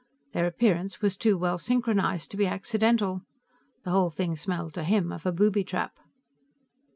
Their appearance was too well synchronized to be accidental. The whole thing smelled to him of a booby trap.